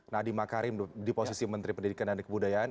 nadiem makarim di posisi menteri pendidikan dan kebudayaan